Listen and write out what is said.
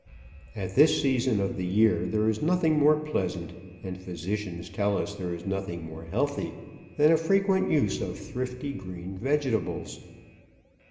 At this season of the year there is nothing more pleasant, and physicians tell us there is nothing more healthy, than a frequent use of thrifty green vegetables.